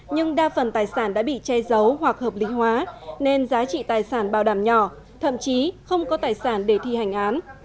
nhưng đa phần tài sản đã bị che giấu hoặc hợp lý hóa nên giá trị tài sản bảo đảm nhỏ thậm chí không có tài sản để thi hành án